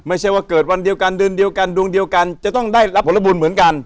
ไม่ใช่ว่าเกิดวันเดียวกันเดือนเดียวกันดวงเดียวกันจะต้องได้รับผลบุญเหมือนกัน